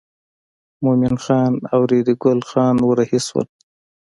مومن خان او ریډي ګل خان ور رهي شول.